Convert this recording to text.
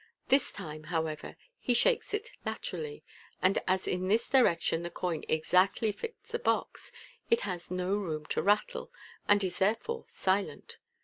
This time, however, he shakes it laterally, and as in this direction the coin exactly fits the box, it has no room to rattle, and is therefore silent.